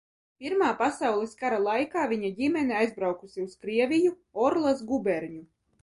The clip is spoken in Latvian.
Pirmā pasaules kara laikā viņa ģimene aizbraukusi uz Krieviju, Orlas guberņu.